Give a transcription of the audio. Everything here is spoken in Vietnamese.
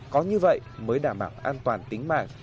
có như vậy mới đảm bảo an toàn tính mạng